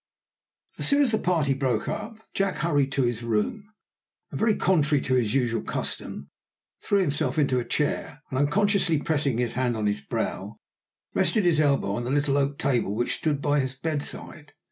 As soon as the party broke up, Jack hurried to his room, and very contrary to his usual custom threw himself into a chair, and unconsciously pressing his hand on his brow, rested his elbow on the little oak table which stood by his bedside.